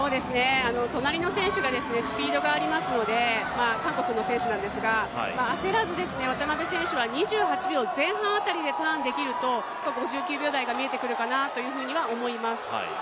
隣の選手がスピードがありますので韓国の選手なんですが焦らず渡辺選手は２８秒前半あたりでターンできると５９秒台が見えてくるかと思います。